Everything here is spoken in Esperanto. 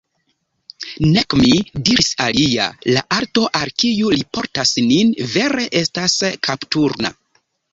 Nek mi, diris alia, la alto, al kiu li portas nin, vere estas kapturna.